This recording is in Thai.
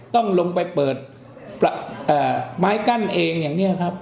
ต้องลงไปเปิดไม้กั้นเองอย่างนี้ครับ